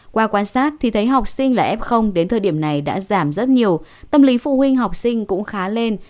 qua quan sát thì thấy học sinh là f đến thời điểm này đã giảm rất nhiều tâm lý phụ huynh học sinh cũng khá lên